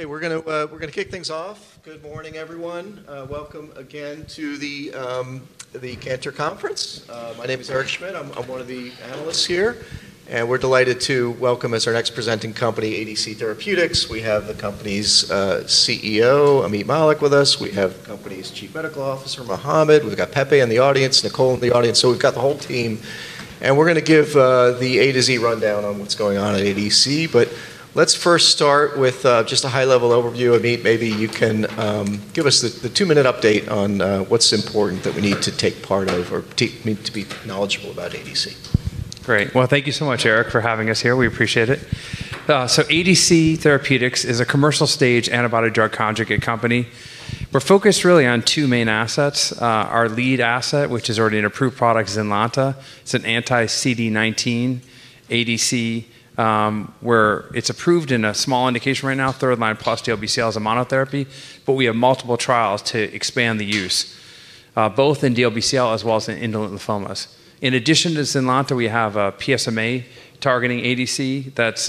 Okay, we're going to kick things off. Good morning, everyone. Welcome again to the Cantor Conference. My name is Eric Schmidt. I'm one of the analysts here, and we're delighted to welcome as our next presenting company, ADC Therapeutics. We have the company's CEO, Ameet Mallik, with us. We have the company's Chief Medical Officer, Mohamed Zaki. We've got Pepe Carmona in the audience, Nicole in the audience. We've got the whole team, and we're going to give the A to Z rundown on what's going on at ADC Therapeutics. Let's first start with just a high-level overview. Ameet, maybe you can give us the two-minute update on what's important that we need to take part of or need to be knowledgeable about ADC Therapeutics. Great. Thank you so much, Eric, for having us here. We appreciate it. ADC Therapeutics is a commercial-stage antibody-drug conjugate company. We're focused really on two main assets. Our lead asset, which is already an approved product, is ZYNLONTA. It's an anti-CD19 ADC where it's approved in a small indication right now, third line plus diffuse large B-cell lymphoma as a monotherapy. We have multiple trials to expand the use, both in diffuse large B-cell lymphoma as well as in indolent lymphomas. In addition to ZYNLONTA, we have a PSMA targeting ADC that's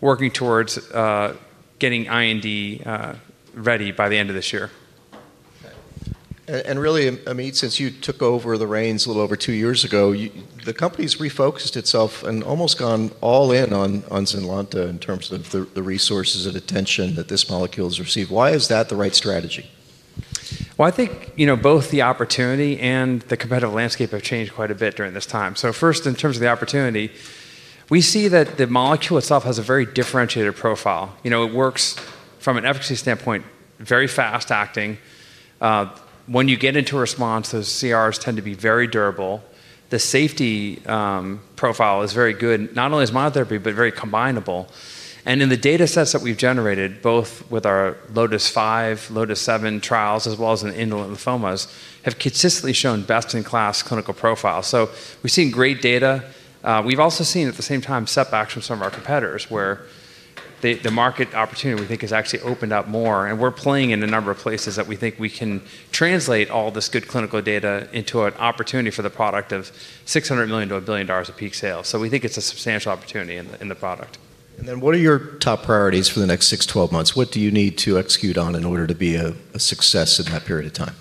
working towards getting IND ready by the end of this year. Ameet, since you took over the reins a little over two years ago, the company's refocused itself and almost gone all in on ZYNLONTA in terms of the resources and attention that this molecule has received. Why is that the right strategy? I think both the opportunity and the competitive landscape have changed quite a bit during this time. First, in terms of the opportunity, we see that the molecule itself has a very differentiated profile. It works from an efficacy standpoint, very fast-acting. When you get into responses, CRs tend to be very durable. The safety profile is very good, not only as monotherapy, but very combinable. In the data sets that we've generated, both with our LOTIS-5, LOTIS-7 trials, as well as in indolent lymphomas, have consistently shown best-in-class clinical profiles. We've seen great data. We've also seen, at the same time, setbacks from some of our competitors where the market opportunity we think has actually opened up more. We're playing in a number of places that we think we can translate all this good clinical data into an opportunity for the product of $600 million - $1 billion of peak sales. We think it's a substantial opportunity in the product. What are your top priorities for the next 6 - 12 months? What do you need to execute on in order to be a success in that period of time?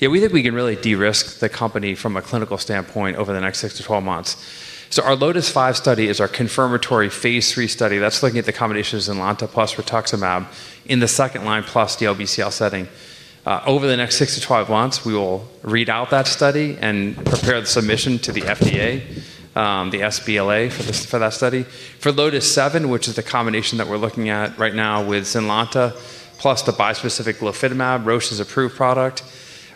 Yeah, we think we can really de-risk the company from a clinical standpoint over the next 6 - 12 months. Our LOTIS-5 study is our confirmatory phase 3 study that's looking at the combination of ZYNLONTA plus rituximab in the second-line DLBCL setting. Over the next 6 - 12 months, we will read out that study and prepare the submission to the FDA, the supplemental BLA for that study. For LOTIS-7, which is the combination that we're looking at right now with ZYNLONTA plus the bispecific glofitamab, Roche's approved product,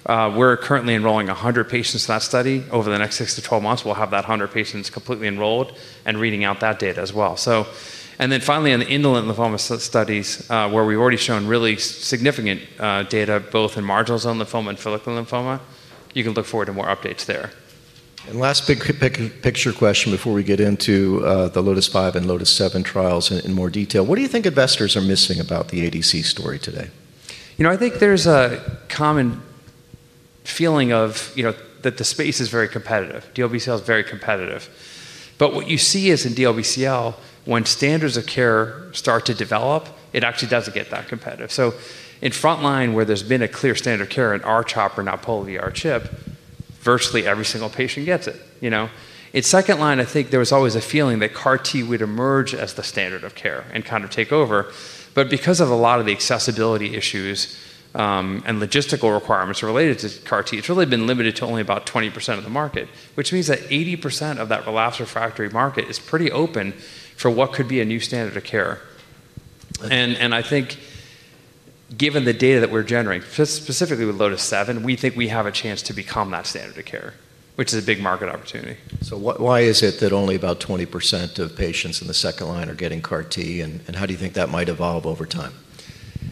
we're currently enrolling 100 patients in that study. Over the next 6 - 12 months, we'll have that 100 patients completely enrolled and reading out that data as well. Finally, in the indolent lymphoma studies where we've already shown really significant data both in marginal zone lymphoma and follicular lymphoma, you can look forward to more updates there. Last big picture question before we get into the LOTIS-5 and LOTIS-7 trials in more detail. What do you think investors are missing about the ADC Therapeutics story today? You know, I think there's a common feeling that the space is very competitive. DLBCL is very competitive. What you see is in DLBCL, when standards of care start to develop, it actually doesn't get that competitive. In front line, where there's been a clear standard of care in R-CHOP or now polatuzumab-R-CHP, virtually every single patient gets it. In second line, I think there was always a feeling that CAR-T would emerge as the standard of care and kind of take over. Because of a lot of the accessibility issues and logistical requirements related to CAR-T, it's really been limited to only about 20% of the market, which means that 80% of that relapsed refractory market is pretty open for what could be a new standard of care. I think given the data that we're generating, specifically with LOTIS-7, we think we have a chance to become that standard of care, which is a big market opportunity. Why is it that only about 20% of patients in the second line are getting CAR-T? How do you think that might evolve over time?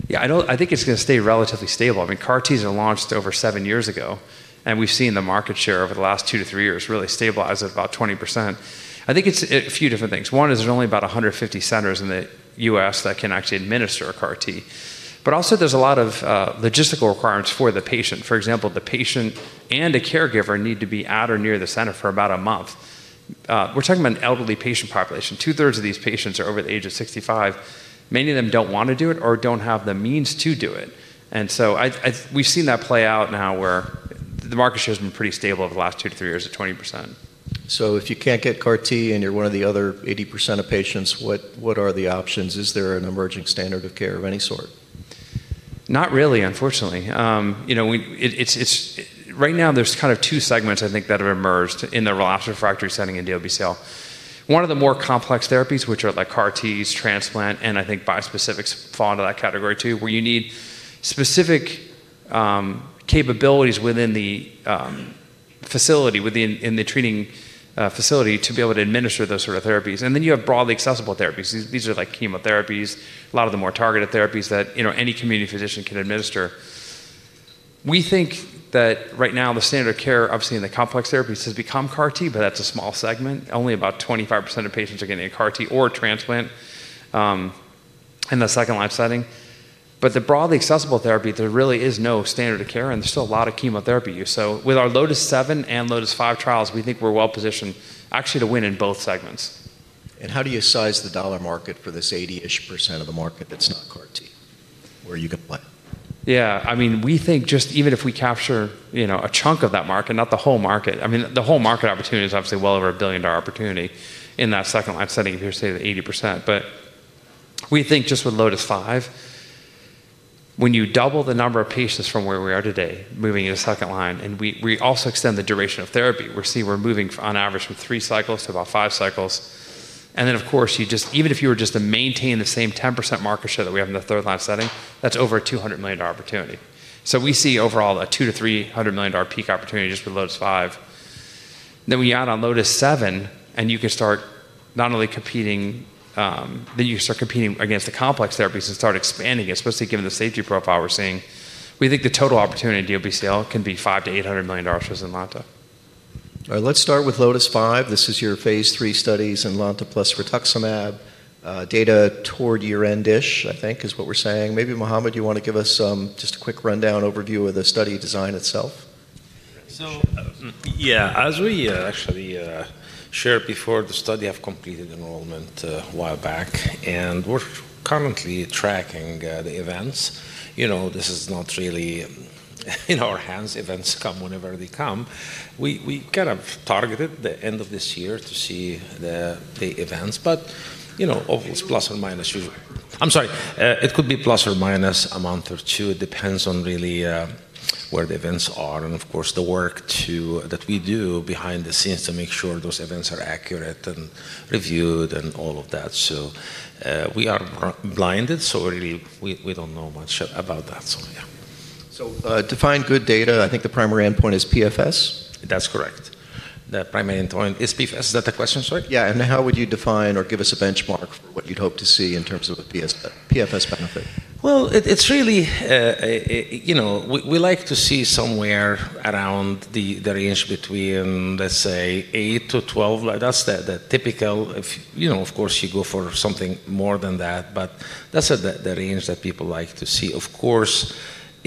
Yeah, I think it's going to stay relatively stable. I mean, CAR-Ts were launched over seven years ago, and we've seen the market share over the last two to three years really stabilize at about 20%. I think it's a few different things. One is there's only about 150 centers in the U.S. that can actually administer a CAR-T. There are also a lot of logistical requirements for the patient. For example, the patient and a caregiver need to be at or near the center for about a month. We're talking about an elderly patient population. Two-thirds of these patients are over the age of 65. Many of them don't want to do it or don't have the means to do it. We've seen that play out now where the market share has been pretty stable over the last two, three years at 20%. If you can't get CAR-T and you're one of the other 80% of patients, what are the options? Is there an emerging standard of care of any sort? Not really, unfortunately. You know, right now, there's kind of two segments I think that have emerged in the relapsed refractory setting in DLBCL. One of the more complex therapies, which are like CAR-T transplant, and I think bispecifics fall into that category too, where you need specific capabilities within the facility, within the treating facility to be able to administer those sort of therapies. Then you have broadly accessible therapies. These are like chemotherapies, a lot of the more targeted therapies that any community physician can administer. We think that right now the standard of care, obviously, in the complex therapies has become CAR-T therapy, but that's a small segment. Only about 25% of patients are getting a CAR-T or transplant in the second-line setting. For the broadly accessible therapy, there really is no standard of care, and there's still a lot of chemotherapy use. With our LOTIS-7 and LOTIS-5 trials, we think we're well positioned actually to win in both segments. How do you size the dollar market for this 80% of the market that's not CAR-T? Where are you going to play? Yeah, I mean, we think just even if we capture a chunk of that market, not the whole market, I mean, the whole market opportunity is obviously well over a $1 billion opportunity in that second line setting if you're saying 80%. We think just with LOTIS-5, when you double the number of patients from where we are today moving into second line, and we also extend the duration of therapy, we're seeing we're moving on average from three cycles to about five cycles. Of course, even if you were just to maintain the same 10% market share that we have in the third line setting, that's over a $200 million opportunity. We see overall a $200 million- $300 million peak opportunity just with LOTIS-5. You add on LOTIS-7, and you can start not only competing, then you can start competing against the complex therapies and start expanding it, especially given the safety profile we're seeing. We think the total opportunity in DLBCL can be $500 million- $800 million for ZYNLONTA. All right, let's start with LOTIS-5. This is your phase III study, ZYNLONTA plus rituximab. Data toward year end-ish, I think, is what we're saying. Maybe, Mohamed, you want to give us just a quick rundown overview of the study design itself? Yeah, as we actually shared before, the study has completed enrollment a while back, and we're currently tracking the events. This is not really in our hands. Events come whenever they come. We kind of targeted the end of this year to see the events, plus or minus usually, I'm sorry, it could be plus or minus a month or two. It depends on really where the events are and, of course, the work that we do behind the scenes to make sure those events are accurate and reviewed and all of that. We are blinded, so really we don't know much about that. To find good data, I think the primary endpoint is PFS? That's correct. The primary endpoint is PFS. Is that the question, sorry? Yeah, how would you define or give us a benchmark for what you'd hope to see in terms of a PFS benefit? It's really, you know, we like to see somewhere around the range between, let's say, 8 - 12 months, like that's the typical. You know, of course, you go for something more than that, but that's the range that people like to see. Of course,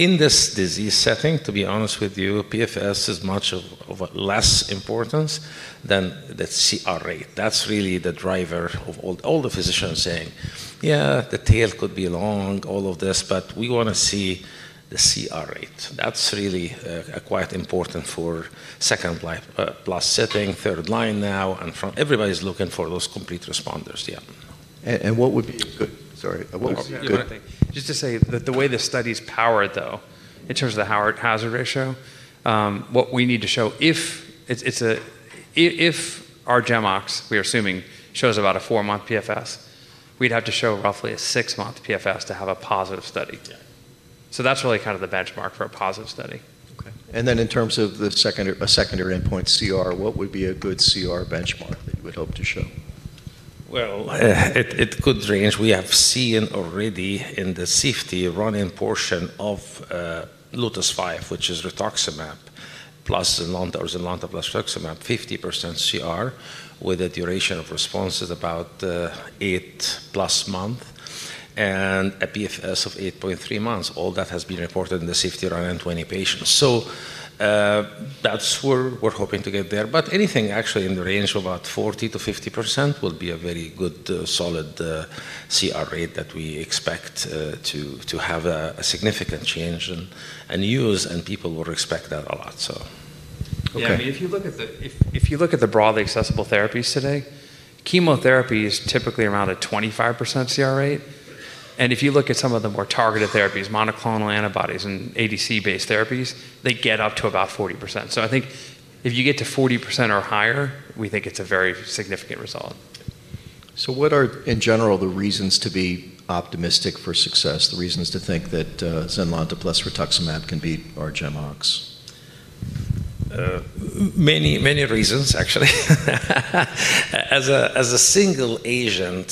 in this disease setting, to be honest with you, PFS is much of less importance than the CR rate. That's really the driver of all the physicians saying, yeah, the tail could be long, all of this, but we want to see the CR rate. That's really quite important for second line plus setting, third line now, and everybody's looking for those complete responders. Yeah. What would be a good, sorry, what was? Just to say that the way the study is powered, though, in terms of the hazard ratio, what we need to show if our GemOx, we are assuming, shows about a four-month PFS, we'd have to show roughly a six-month PFS to have a positive study. That's really kind of the benchmark for a positive study. In terms of the secondary endpoint CR, what would be a good CR benchmark that you would hope to show? It could range. We have seen already in the safety run-in portion of LOTIS-5, which is rituximab plus ZYNLONTA or ZYNLONTA plus rituximab, 50% CR with a duration of response of about 8+ months and a PFS of 8.3 months. All that has been reported in the safety run-in in 20 patients. That's where we're hoping to get there. Anything actually in the range of about 40 %- 50% will be a very good solid CR rate that we expect to have a significant change in use, and people will respect that a lot. Yeah, I mean, if you look at the broadly accessible therapies today, chemotherapy is typically around a 25% CR rate. If you look at some of the more targeted therapies, monoclonal antibodies and ADC-based therapies, they get up to about 40%. I think if you get to 40% or higher, we think it's a very significant result. What are, in general, the reasons to be optimistic for success, the reasons to think that ZYNLONTA plus rituximab can beat out GemOx? Many reasons, actually. As a single agent,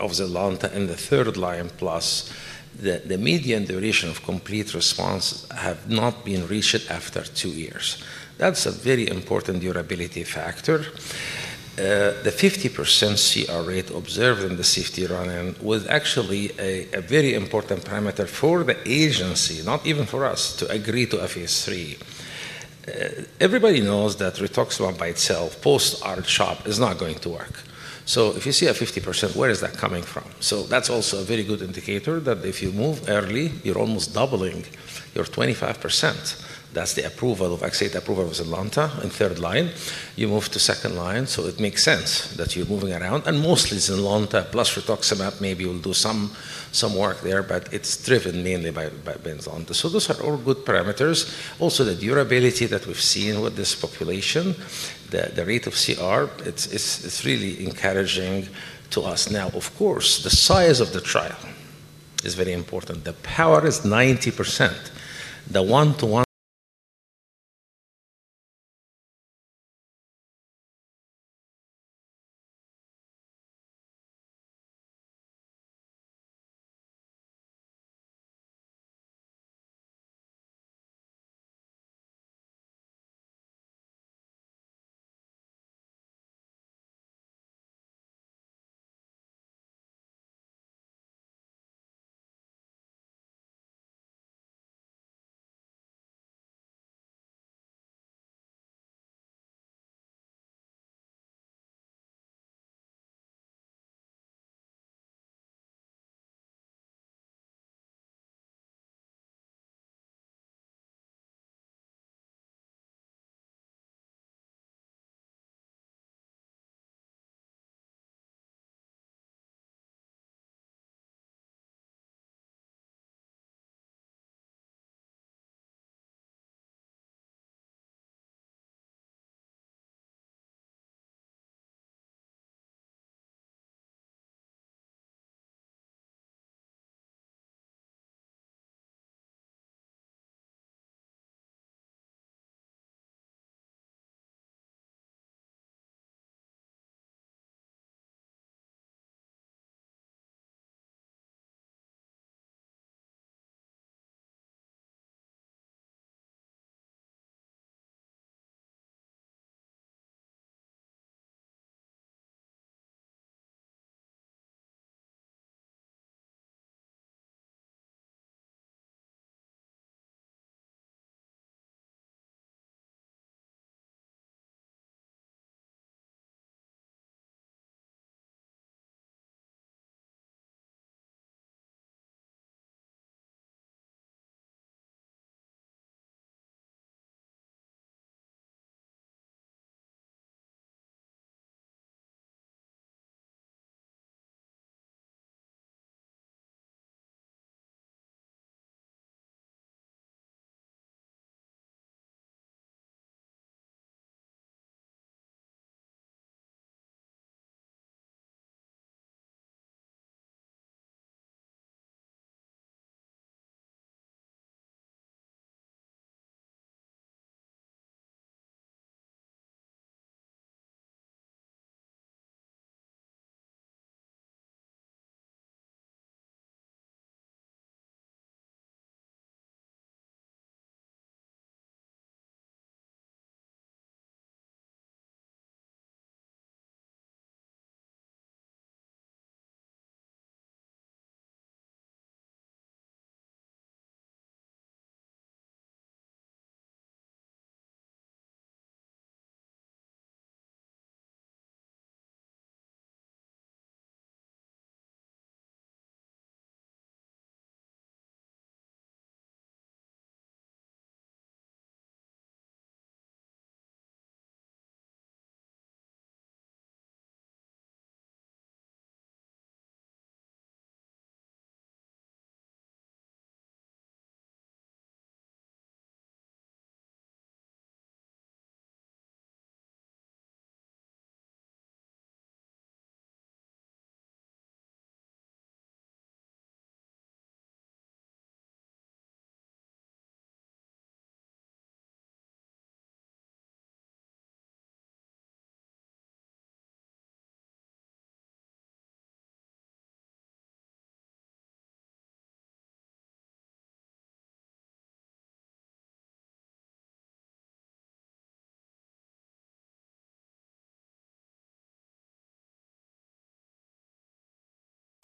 ZYNLONTA in the third line plus, the median duration of complete response has not been reached after two years. That's a very important durability factor. The 50% CR rate observed in the safety run-in was actually a very important parameter for the agency, not even for us, to agree to a phase III. Everybody knows that rituximab by itself, post R-CHOP, is not going to work. If you see a 50%, where is that coming from? That's also a very good indicator that if you move early, you're almost doubling your 25%. That's the approval of ZYNLONTA in third line. You move to second line, it makes sense that you're moving around. Mostly, ZYNLONTA plus rituximab maybe will do some work there, but it's driven mainly by ZYNLONTA. Those are all good parameters. Also, the durability that we've seen with this population, the rate of CR, it's really encouraging to us now. Of course, the size of the trial is very important. The power is 90%. The one-to-one rate.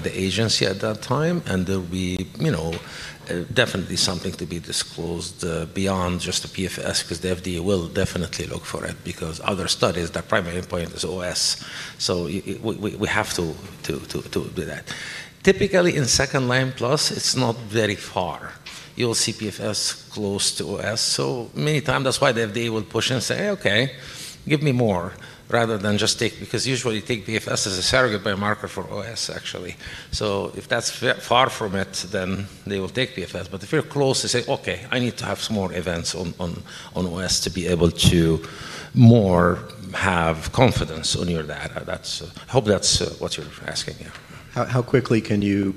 The agency at that time, and there'll be, you know, definitely something to be disclosed beyond just the PFS because the FDA will definitely look for it because other studies, their primary endpoint is OS. We have to do that. Typically, in second line plus, it's not very far. You'll see PFS close to OS. Many times, that's why the FDA will push and say, "Okay, give me more," rather than just take, because usually take PFS as a surrogate biomarker for OS, actually. If that's far from it, then they will take PFS. If you're close to say, "Okay, I need to have some more events on OS to be able to more have confidence on your data," I hope that's what you're asking. Yeah. How quickly can you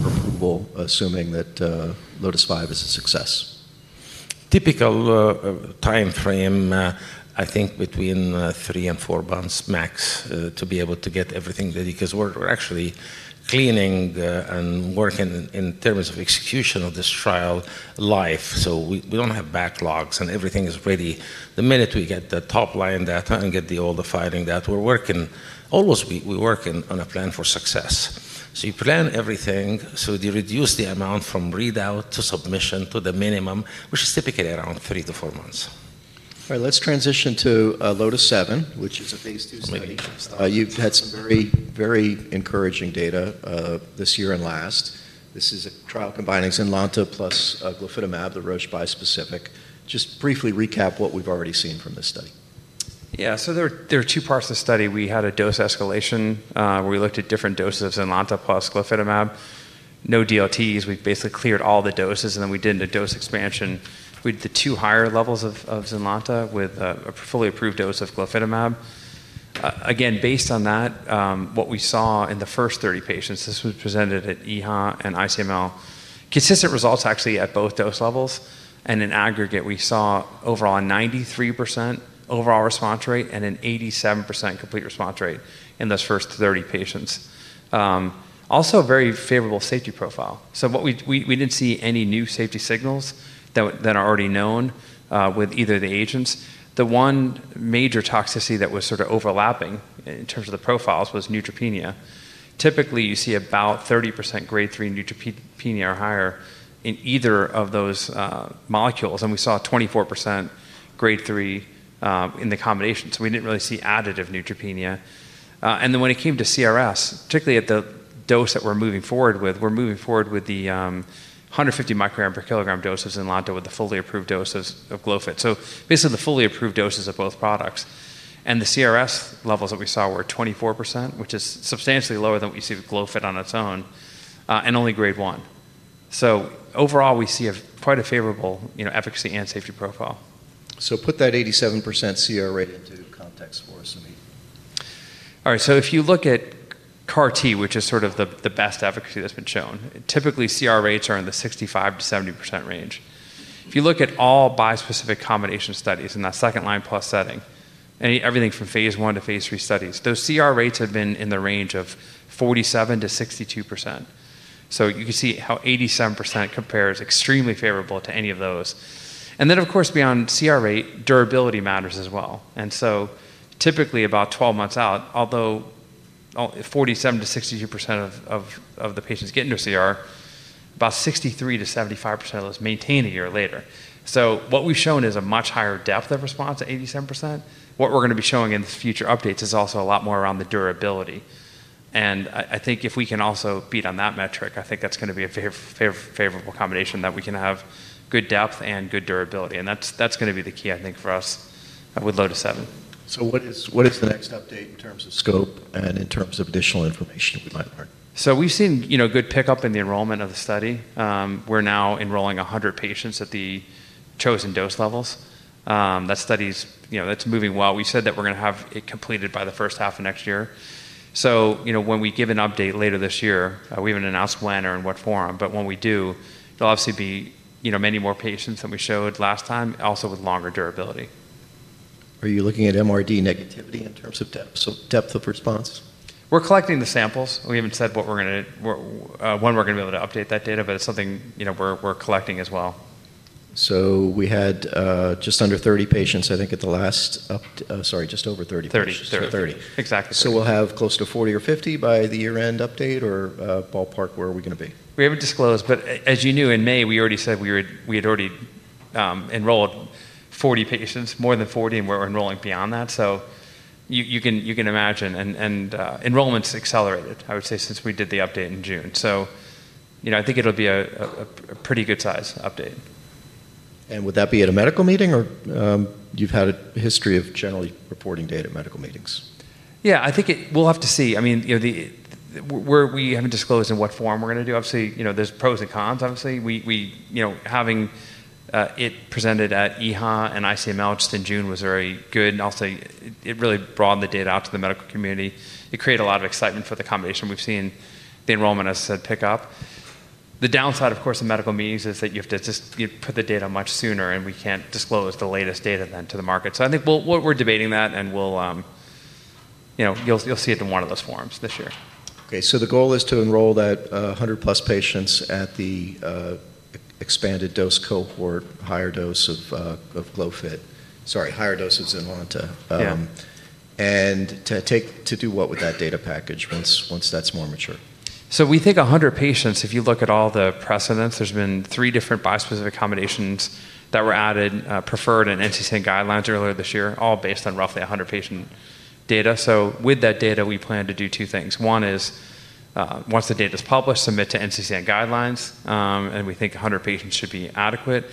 recouple, assuming that LOTIS-5 is a success? Typical timeframe, I think between three and four months max to be able to get everything ready because we're actually cleaning and working in terms of execution of this trial live. We don't have backlogs and everything is ready. The minute we get the top line data and get all the filing data, we're working on a plan for success. You plan everything, so you reduce the amount from readout to submission to the minimum, which is typically around three months - four months. All right, let's transition to LOTIS-7, which is a phase II study. You've had some very, very encouraging data this year and last. This is a trial combining ZYNLONTA plus glofitamab, the Roche bispecific. Just briefly recap what we've already seen from this study. Yeah, so there are two parts of the study. We had a dose escalation where we looked at different doses of ZYNLONTA plus glofitamab, no DLTs. We basically cleared all the doses, and then we did a dose expansion. We did the two higher levels of ZYNLONTA with a fully approved dose of glofitamab. Based on that, what we saw in the first 30 patients, this was presented at EHA and ICML, consistent results actually at both dose levels. In aggregate, we saw overall a 93% overall response rate and an 87% complete response rate in those first 30 patients. Also, a very favorable safety profile. We didn't see any new safety signals that are already known with either of the agents. The one major toxicity that was sort of overlapping in terms of the profiles was neutropenia. Typically, you see about 30% grade 3 neutropenia or higher in either of those molecules, and we saw 24% grade 3 in the combination. We didn't really see additive neutropenia. When it came to CRS, particularly at the dose that we're moving forward with, we're moving forward with the 150 microgram per kilogram doses of ZYNLONTA with the fully approved doses of glofitamab, basically the fully approved doses of both products. The CRS levels that we saw were 24%, which is substantially lower than what you see with glofitamab on its own, and only grade 1. Overall, we see quite a favorable efficacy and safety profile. Put that 87% CR rate into context for us, Ameet. All right, so if you look at CAR-T, which is sort of the best efficacy that's been shown, typically CR rates are in the 65 %- 70% range. If you look at all bispecific combination studies in that second line plus setting, everything from phase one to phase three studies, those CR rates have been in the range of 47 %- 62%. You can see how 87% compares extremely favorably to any of those. Of course, beyond CR rate, durability matters as well. Typically, about 12 months out, although 47 %- 62% of the patients get into CR, about 63 %- 75% of those maintain a year later. What we've shown is a much higher depth of response at 87%. What we're going to be showing in future updates is also a lot more around the durability. I think if we can also beat on that metric, I think that's going to be a favorable combination that we can have good depth and good durability. That's going to be the key, I think, for us with LOTIS-7. What is the next update in terms of scope and in terms of additional information that we'd like to learn? We have seen good pickup in the enrollment of the study. We're now enrolling 100 patients at the chosen dose levels. That study is moving well. We said that we're going to have it completed by the first half of next year. When we give an update later this year, we haven't announced when or in what forum, but when we do, it'll obviously be many more patients than we showed last time, also with longer durability. Are you looking at MRD negativity in terms of depth of response? We're collecting the samples. We haven't said when we're going to be able to update that data, but it's something we're collecting as well. We had just under 30 patients, I think, at the last update. Sorry just over 30 patients. We'll have close to 40 patients or 50 patientds by the year-end update or ballpark. Where are we going to be? We haven't disclosed, but as you knew in May, we already said we had already enrolled 40 patients, more than 40 patients, and we're enrolling beyond that. You can imagine, and enrollment's accelerated, I would say, since we did the update in June. I think it'll be a pretty good size update. Would that be at a medical meeting, or you've had a history of generally reporting data at medical meetings? Yeah, I think we'll have to see. I mean, we haven't disclosed in what form we're going to do. Obviously, there's pros and cons. Obviously, having it presented at EHA and ICML just in June was very good. It really broadened the data out to the medical community. It created a lot of excitement for the combination. We've seen the enrollment, as I said, pick up. The downside, of course, in medical meetings is that you have to just put the data much sooner, and we can't disclose the latest data then to the market. I think we're debating that, and you'll see it in one of those forms this year. Okay, the goal is to enroll that 100 + patients at the expanded dose cohort, higher dose of ZYNLONTA, and to do what with that data package once that's more mature? We take 100 patients. If you look at all the precedents, there's been three different bispecific combinations that were added, preferred in NCCN guidelines earlier this year, all based on roughly 100 patient data. With that data, we plan to do two things. One is once the data is published, submit to NCCN guidelines, and we think 100 patients should be adequate.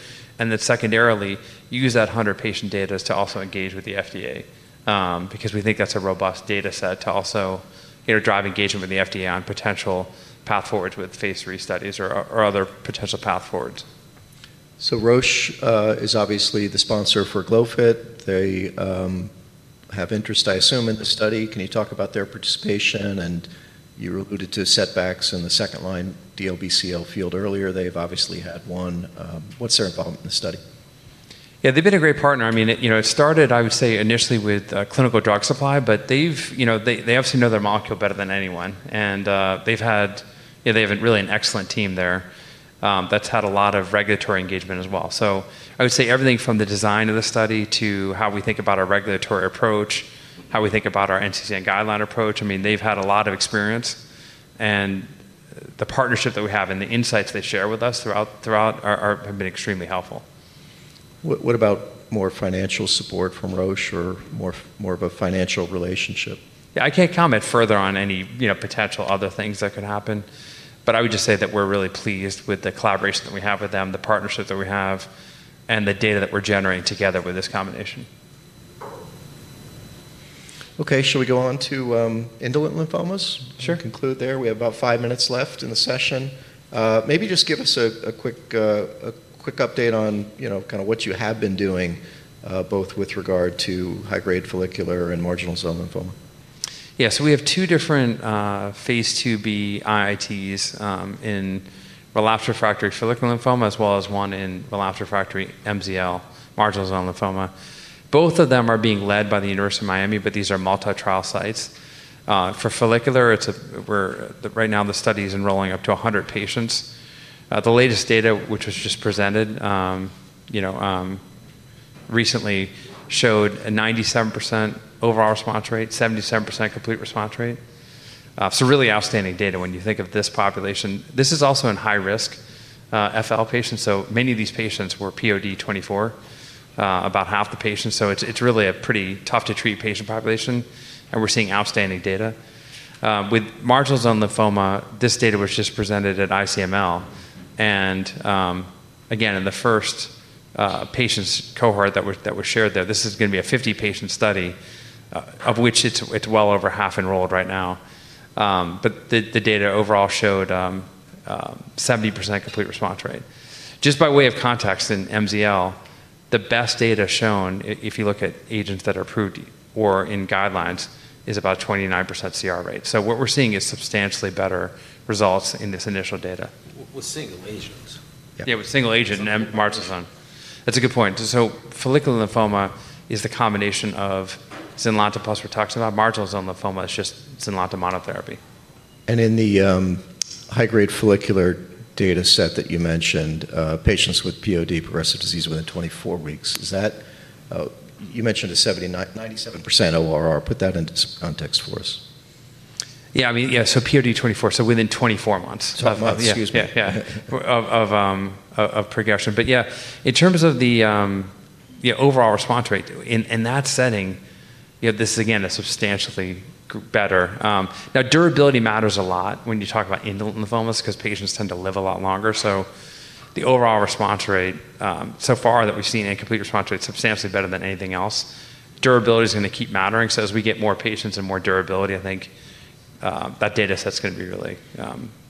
Secondarily, use that 100 patient data to also engage with the FDA because we think that's a robust data set to also drive engagement with the FDA on potential path forwards with phase III studies or other potential path forwards. Roche is obviously the sponsor for glofitamab. They have interest, I assume, in the study. Can you talk about their participation? You alluded to setbacks in the second-line DLBCL field earlier. They've obviously had one. What's their involvement in the study? Yeah, they've been a great partner. I mean, it started, I would say, initially with clinical drug supply, but they obviously know their molecule better than anyone. They've had, you know, they have really an excellent team there that's had a lot of regulatory engagement as well. I would say everything from the design of the study to how we think about our regulatory approach, how we think about our NCCN guideline approach, they've had a lot of experience. The partnership that we have and the insights they share with us throughout have been extremely helpful. What about more financial support from Roche or more of a financial relationship? Yeah, I can't comment further on any potential other things that could happen. I would just say that we're really pleased with the collaboration that we have with them, the partnership that we have, and the data that we're generating together with this combination. Okay, should we go on to indolent lymphomas? Sure. Conclude there. We have about five minutes left in the session. Maybe just give us a quick update on kind of what you have been doing, both with regard to high-grade follicular and marginal zone lymphoma. Yeah, so we have two different phase IIB IITs in relapsed refractory follicular lymphoma, as well as one in relapsed refractory marginal zone lymphoma. Both of them are being led by the University of Miami, but these are multi-trial sites. For follicular, right now the study is enrolling up to 100 patients. The latest data, which was just presented recently, showed a 97% overall response rate, 77% complete response rate. Really outstanding data when you think of this population. This is also in high-risk follicular lymphoma patients. Many of these patients were POD 24, about half the patients. It's really a pretty tough-to-treat patient population. We're seeing outstanding data. With marginal zone lymphoma, this data was just presented at ICML. Again, in the first patients cohort that was shared there, this is going to be a 50-patient study, of which it's well over half enrolled right now. The data overall showed a 70% complete response rate. Just by way of context, in marginal zone lymphoma, the best data shown, if you look at agents that are approved or in guidelines, is about a 29% complete response rate. What we're seeing is substantially better results in this initial data. With single agents. Yeah, with single agent and marginal zone. That's a good point. Follicular lymphoma is the combination of ZYNLONTA plus rituximab. Marginal zone lymphoma is just ZYNLONTA monotherapy. In the high-grade follicular data set that you mentioned, patients with progressive disease within 24 weeks, you mentioned a 97% ORR. Put that into some context for us. Yeah, I mean, POD 24, so within 24 months. Y eah, of progression. In terms of the overall response rate in that setting, you know, this is again substantially better. Now, durability matters a lot when you talk about indolent lymphomas because patients tend to live a lot longer. The overall response rate so far that we've seen and complete response rate is substantially better than anything else. Durability is going to keep mattering. As we get more patients and more durability, I think that data set is going to be really,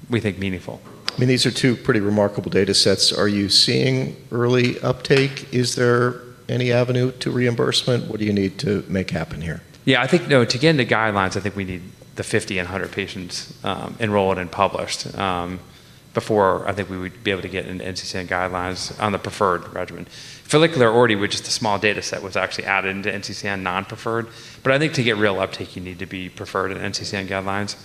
we think, meaningful. I mean, these are two pretty remarkable data sets. Are you seeing early uptake? Is there any avenue to reimbursement? What do you need to make happen here? I think to get into guidelines, we need the 50 patients and 100 patients enrolled and published before I think we would be able to get into NCCN guidelines on the preferred regimen. Follicular already, with just a small data set, was actually added into NCCN non-preferred. I think to get real uptake, you need to be preferred in NCCN guidelines.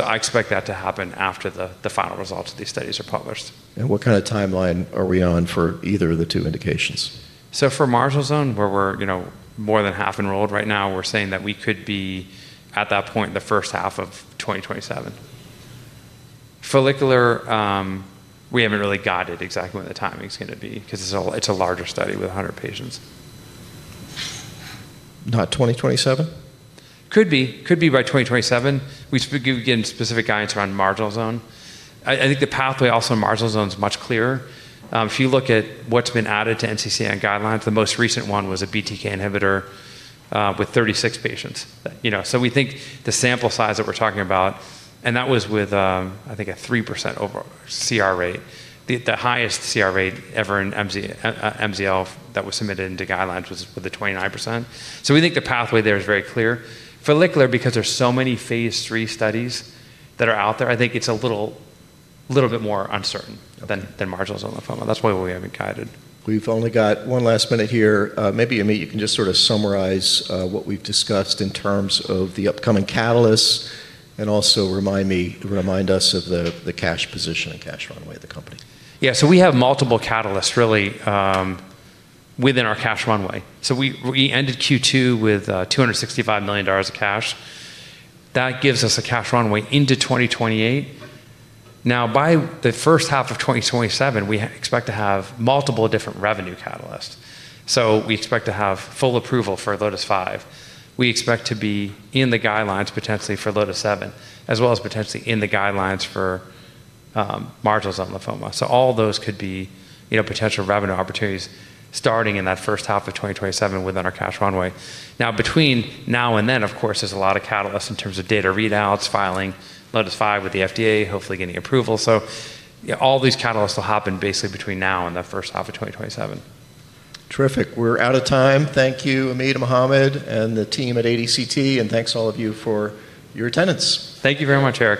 I expect that to happen after the final results of these studies are published. What kind of timeline are we on for either of the two indications? For marginal zone, where we're more than half enrolled right now, we're saying that we could be at that point in the first half of 2027. Follicular, we haven't really guided exactly what the timing is going to be because it's a larger study with 100 patients. Not 2027? Could be by 2027. We could be getting specific guidance around marginal zone. I think the pathway also in marginal zone is much clearer. If you look at what's been added to NCCN guidelines, the most recent one was a BTK inhibitor with 36 patients. We think the sample size that we're talking about, and that was with, I think, a 3% overall CR rate. The highest CR rate ever in MZL that was submitted into guidelines was with a 29%. We think the pathway there is very clear. Follicular, because there's so many phase III studies that are out there, I think it's a little bit more uncertain than marginal zone lymphoma. That's why we haven't guided. We've only got one last minute here. Maybe, Ameet, you can just sort of summarize what we've discussed in terms of the upcoming catalysts and also remind us of the cash position and cash runway of the company. Yeah, we have multiple catalysts really within our cash runway. We ended Q2 with $265 million of cash. That gives us a cash runway into 2028. By the first half of 2027, we expect to have multiple different revenue catalysts. We expect to have full approval for LOTIS-5. We expect to be in the guidelines potentially for LOTIS-7, as well as potentially in the guidelines for marginal zone lymphoma. All those could be potential revenue opportunities starting in that first half of 2027 within our cash runway. Between now and then, of course, there's a lot of catalysts in terms of data readouts, filing LOTIS-5 with the FDA, hopefully getting approval. All these catalysts will happen basically between now and that first half of 2027. Terrific. We're out of time. Thank you, Ameet, Mohamed, and the team at ADC Therapeutics, and thanks all of you for your attendance. Thank you very much, Eric.